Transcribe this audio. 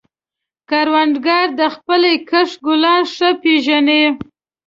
کروندګر د خپلې کښت ګلان ښه پېژني